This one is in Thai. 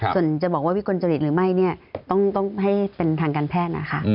ส่วนจะบอกว่าวิกลจริตหรือไม่เนี่ยต้องให้เป็นทางการแพทย์นะคะ